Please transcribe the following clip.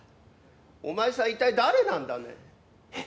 お前さん一体誰なんだね？